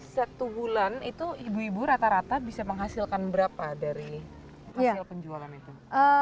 satu bulan itu ibu ibu rata rata bisa menghasilkan berapa dari hasil penjualan itu